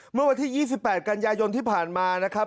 เมื่อวันที่๒๘กันยายนที่ผ่านมานะครับ